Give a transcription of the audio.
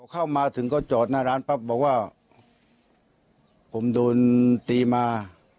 เข้ามาถึงก็จอดหน้าร้านปั๊บบอกว่าผมโดนตีมา